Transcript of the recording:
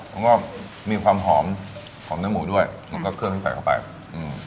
มันก็มีความหอมหอมเนื้อหมูด้วยแล้วก็เครื่องที่ใส่เข้าไปอืม